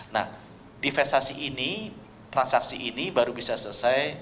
nah divestasi ini transaksi ini baru bisa selesai